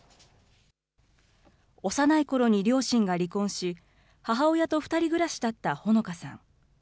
幼いころに両親が離婚し、母親と２人暮らしだったほのかさん。